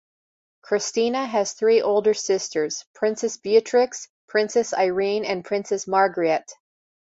Christina has three older sisters: Princess Beatrix, Princess Irene and Princess Margriet.